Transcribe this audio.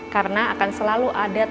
karena akan selalu ada